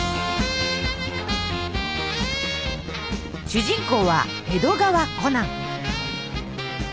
主人公は江戸川コナン。